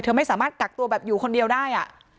ไม่สามารถกักตัวแบบอยู่คนเดียวได้